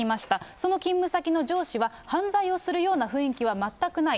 その勤務先の上司は、犯罪をするような雰囲気は全くない。